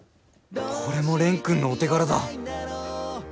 これも蓮くんのお手柄だ。